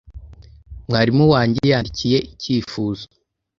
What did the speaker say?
Mwarimu wanjye yandikiye icyifuzo.